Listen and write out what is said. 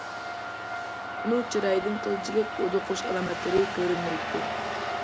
ئۇنىڭ چىرايىدىن قىلچىلىك ھودۇقۇش ئالامەتلىرى كۆرۈنمەيتتى.